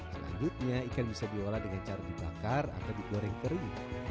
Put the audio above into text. selanjutnya ikan bisa diolah dengan cara dibakar atau digoreng kering